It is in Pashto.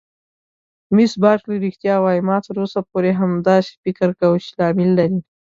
مس بارکلي: رښتیا وایې؟ ما تر اوسه پورې همداسې فکر کاوه چې لامل لري.